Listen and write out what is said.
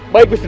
baik mr tau